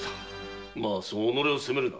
そう己を責めるな。